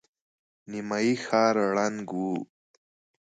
نيمايي ښار ړنګ و.